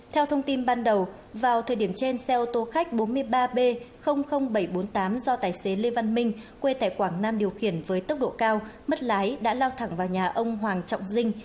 theo thông tin ban đầu vào thời điểm trên xe ô tô khách bốn mươi ba b bảy trăm bốn mươi tám do tài xế lê văn minh quê tại quảng nam điều khiển với tốc độ cao mất lái đã lao thẳng vào nhà ông hoàng trọng dinh